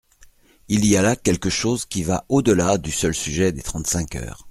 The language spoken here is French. Il y a là quelque chose qui va au-delà du seul sujet des trente-cinq heures.